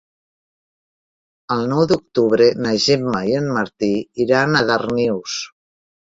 El nou d'octubre na Gemma i en Martí iran a Darnius.